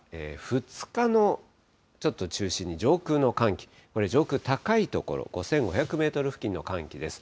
２日の、ちょっと、中心に上空の寒気、これ、上空、高い所、５５００メートル付近の寒気です。